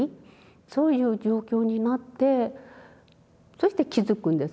そういう状況になってそして気付くんですね。